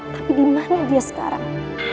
tapi dimana dia sekarang